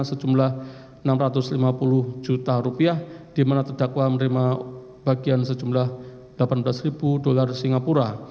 sejumlah rp enam ratus lima puluh juta di mana terdakwa menerima bagian sejumlah rp delapan belas singapura